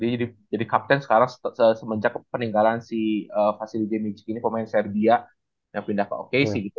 jadi jadi kapten sekarang semenjak peninggalan si fassily djemicic ini pemain serbia yang pindah ke okc gitu